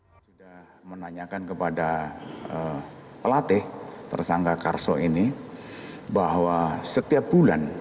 saya sudah menanyakan kepada pelatih tersangka karso ini bahwa setiap bulan